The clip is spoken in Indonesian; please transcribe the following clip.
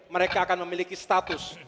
mereka akan memiliki status